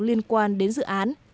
liên quan đến dự án